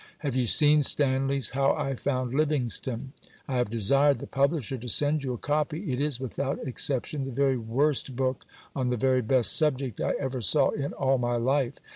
Have you seen Stanley's How I found Livingstone? I have desired the publisher to send you a copy. It is, without exception, the very worst book on the very best subject I ever saw in all my life....